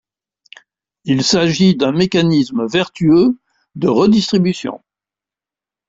Il s’agit d’un mécanisme vertueux de redistribution.